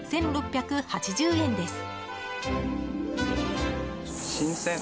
１６８０円です。